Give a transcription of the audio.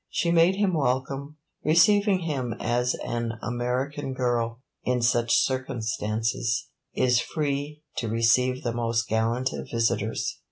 She made him welcome, receiving him as an American girl, in such circumstances, is free to receive the most gallant of visitors.